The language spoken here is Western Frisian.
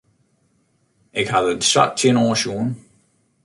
Ik ha der sa tsjinoan sjoen.